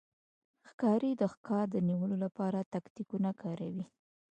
ښکاري د ښکار د نیولو لپاره تاکتیکونه کاروي.